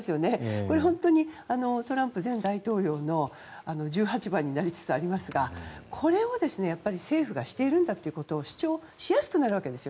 これ、本当にトランプ前大統領の十八番になりつつありますがこれを政府がしているんだということを主張しやすくなるんですよ。